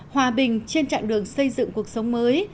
hòa bình trên trạng đường xây dựng cuộc sống mới